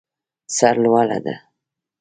سر لوړه ده.